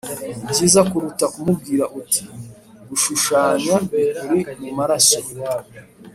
ni byiza kuruta kumubwira uti gushushanya bikuri mu maraso